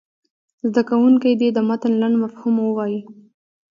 زده کوونکي دې د متن لنډ مفهوم ووایي.